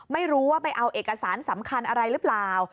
ไม่รู้ว่าไปเอาเอกสารสำคัญอะไรหรือเปล่า